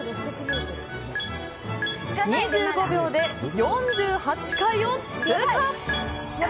２５秒で４８階を通過！